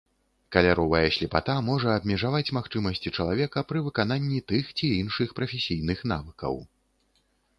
Каляровая слепата можа абмежаваць магчымасці чалавека пры выкананні тых ці іншых прафесійных навыкаў.